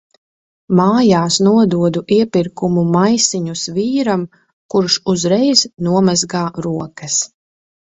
Mājās nododu iepirkumu maisiņus vīram, kurš uzreiz nomazgā rokas.